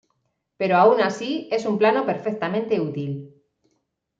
Pero aun así es un plano perfectamente útil.